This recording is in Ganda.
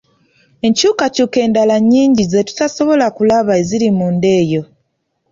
Enkyukakyuka endala nnyingi ze tutasobola kulaba eziri munda eyo.